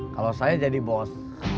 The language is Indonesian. kalau saya jadi bos